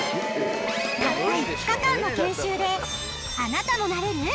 たった５日間の研修であなたもなれる？